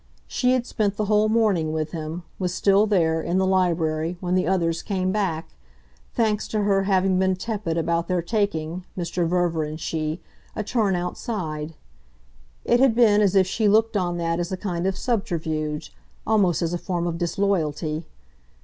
She had spent the whole morning with him, was still there, in the library, when the others came back thanks to her having been tepid about their taking, Mr. Verver and she, a turn outside. It had been as if she looked on that as a kind of subterfuge almost as a form of disloyalty.